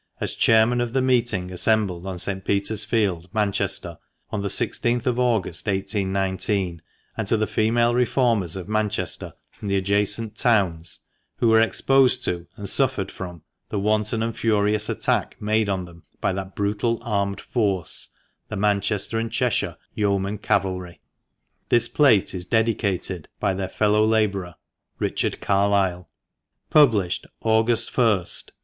as Chairman of the Meeting assembled on St. Peter's Field, Manchester, on the l6th of August, 1819, and to the Female Reformers of Manchester and the adjacent Towns, who were exposed to and suffered from the Wanton and Furious Attack made on them by that brutal armed force, THE MANCHESTER AND CHESHIRE YEOMANRY CAVALRY, This plate is dedicated by their Fellow Labourer, RICHARD CARLILE." "(Published Aug. i,